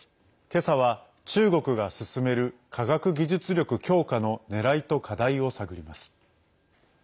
今朝は、中国が進める科学技術力強化の狙いと課題を探ります。